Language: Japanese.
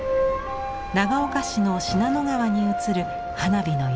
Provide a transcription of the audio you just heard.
長岡市の信濃川に映る花火の彩り。